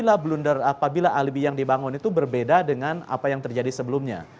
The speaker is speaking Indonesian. apabila blunder apabila alibi yang dibangun itu berbeda dengan apa yang terjadi sebelumnya